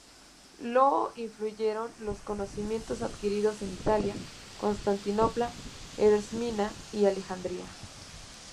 Lo influyeron los conocimientos adquiridos en Italia, Constantinopla, Esmirna y Alejandría.